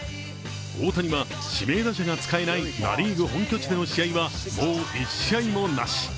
大谷は指名打者が使えないナ・リーグ本拠地での試合は、もう１試合もなし。